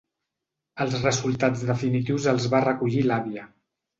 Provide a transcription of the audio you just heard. Els resultats definitius els va recollir l'àvia.